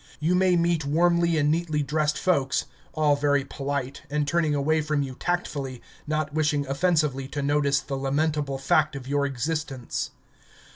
You may meet warmly and neatly dressed folks all very polite, and turning away from you tactfully, not wishing offensively to notice the lamentable fact of your existence.